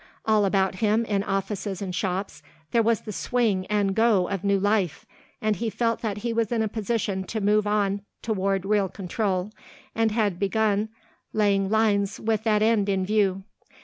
All about him, in offices and shops, there was the swing and go of new life and he felt that he was in a position to move on toward real control and had begun laying lines with that end in view.